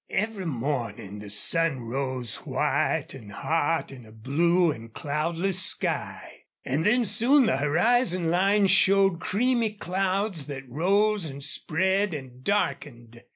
Every morning the sun rose white and hot in a blue and cloudless sky. And then soon the horizon line showed creamy clouds that rose and spread and darkened.